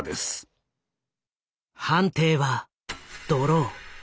判定はドロー。